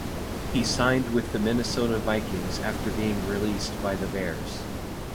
He signed with the Minnesota Vikings after being released by the Bears.